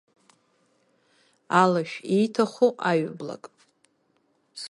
Алашә ииҭаху аҩыблак!